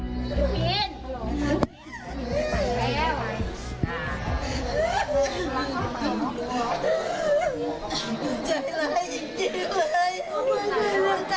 ใจร้ายจริงเลย